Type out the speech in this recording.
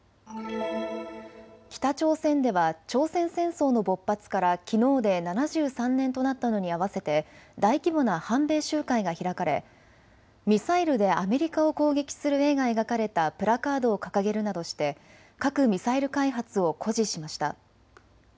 北朝鮮では朝鮮戦争の勃発からきのうで７３年となったのに合わせて大規模な反米集会が開かれミサイルでアメリカを攻撃する絵が描かれたプラカードを掲げるなどして核・ミサイル開発を誇示しました。